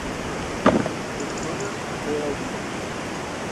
Les dones a fer el dinar.